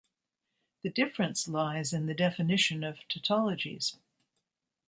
The difference lies in the definition of tautologies.